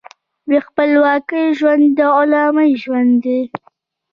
بې خپلواکۍ ژوند د غلامۍ ژوند دی.